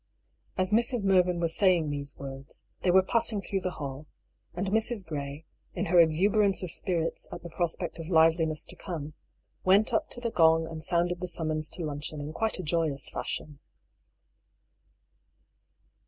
As Mrs. Mervyn was saying these words, they were passing through the hall, and Mrs. Gray, in her exuber ance of spirits at the prospect of liveliness to come, went up to the gong and sounded the summons to luncheon in quite a joyous fashion.